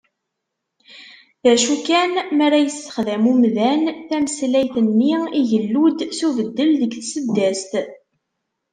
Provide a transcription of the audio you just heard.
D acu kan, mi ara yesexdam umdan tameslayt-nni, igellu-d s ubeddel deg tseddast.